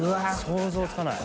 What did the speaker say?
想像つかない。